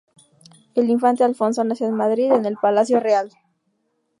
El infante Alfonso nació en Madrid, en el Palacio Real.